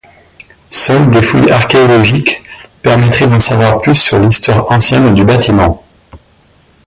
Seules des fouilles archéologiques permettraient d’en savoir plus sur l’histoire ancienne du bâtiment.